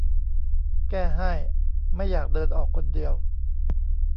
แก้ให้ ไม่อยากเดินออกคนเดียว